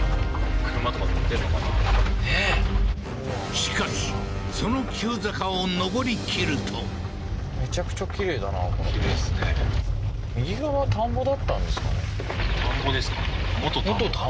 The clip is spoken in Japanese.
しかしその急坂を上りきると田んぼですかね